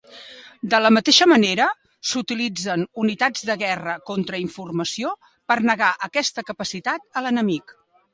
De la mateixa manera, s'utilitzen unitats de guerra contrainformació per negar aquesta capacitat a l'enemic.